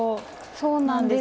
そうなんです。